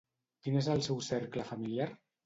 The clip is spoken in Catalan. Quin és el seu cercle familiar?